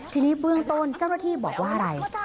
ทีนี้เบื้องต้นเจ้าหน้าที่บอกว่าอะไร